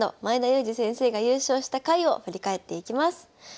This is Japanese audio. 前田祐司先生が優勝した回を振り返っていきます。